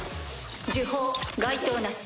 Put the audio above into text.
呪法該当なし。